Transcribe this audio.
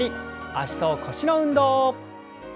脚と腰の運動。